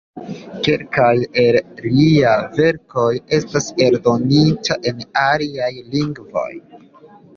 Kelkaj el liaj verkoj estas eldonitaj en aliaj lingvoj.